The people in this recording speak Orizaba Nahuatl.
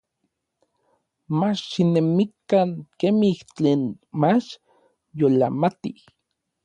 Mach xinemikan kemij tlen mach yolamatij.